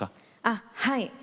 あっはい。